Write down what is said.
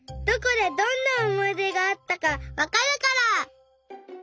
どこでどんなおもいでがあったかわかるから！